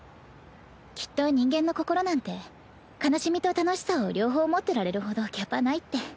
きっと人間の心なんて悲しみと楽しさを両方持ってられるほどキャパないって。